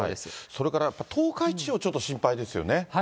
それからやっぱり東海地方、ちょっと心配ですよね。